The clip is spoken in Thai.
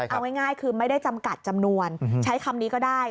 เอาง่ายคือไม่ได้จำกัดจำนวนใช้คำนี้ก็ได้